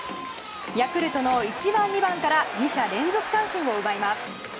ヤクルトの１番、２番から２者連続三振を奪います。